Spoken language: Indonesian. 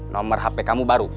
nomor hp kamu baru